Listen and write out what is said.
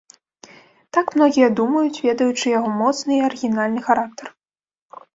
Так многія думаюць, ведаючы яго моцны і арыгінальны характар.